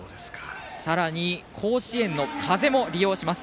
さらに、甲子園の風も利用します。